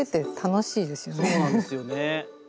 そうなんですよね。